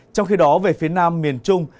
trong khi đó về phía nam miền trung